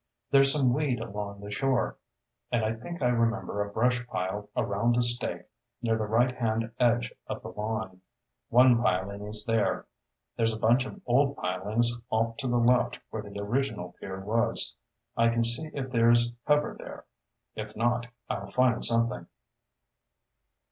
There's some weed along the shore, and I think I remember a brush pile around a stake near the right hand edge of the lawn. One piling is there. There's a bunch of old pilings off to the left where the original pier was. I can see if there's cover there. If not, I'll find something."